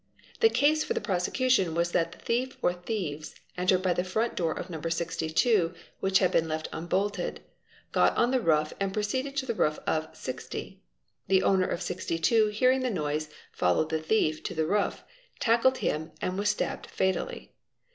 The case for the pro secution was that the thief or thieves entered by the front door of No. 62, which had been left unbolted, got on to the roof and proceeded to the roof of 60. The owner of 62 hearing the noise followed the thief to the re of, tackled him, and was stabbed fatally.